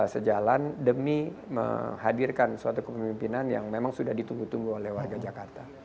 sejalan demi menghadirkan suatu kepemimpinan yang memang sudah ditunggu tunggu oleh warga jakarta